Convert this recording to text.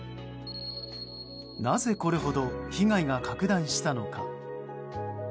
なぜこれほど被害が拡大したのか。